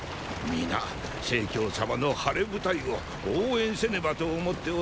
皆成様の晴れ舞台を応援せねばと思っておるのです。